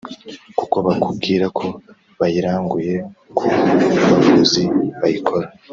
kuko bakubwira ko bayiranguye ku bavuzi bayikora